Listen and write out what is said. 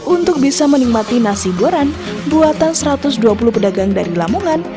untuk bisa menikmati nasi goreng buatan satu ratus dua puluh pedagang dari lamongan